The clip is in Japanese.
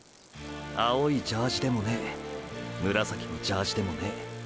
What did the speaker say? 青いジャージでもねぇ紫のジャージでもねぇ。